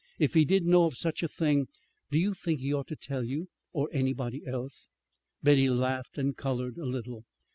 "If he did know of such a thing, do you think he ought to tell you, or anybody else?" Betty laughed and colored a little.